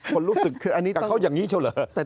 คนรู้สึกกับเขาอย่างนี้เฉียวเหรอ